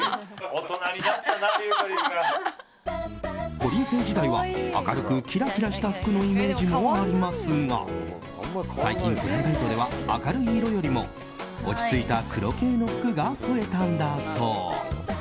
こりん星時代は明るくキラキラした服のイメージもありますが最近、プライベートでは明るい色よりも落ち着いた黒系の服が増えたんだそう。